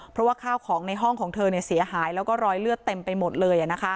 เพราะว่าข้าวของในห้องของเธอเสียหายแล้วก็รอยเลือดเต็มไปหมดเลย